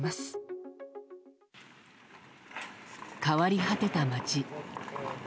変わり果てた街。